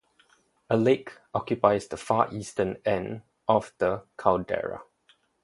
A lake occupies the far eastern end of the caldera.